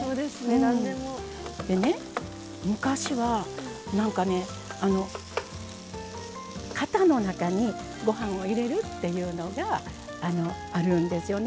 でね、昔は型の中にご飯を入れるっていうのがあるんですよね。